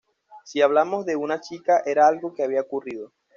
Si hablamos de una chica, era algo que había ocurrido.